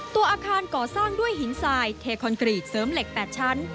ตัวอาคารก่อสร้างด้วยหินทรายเทคอนกรีตเสริมเหล็ก๘ชั้น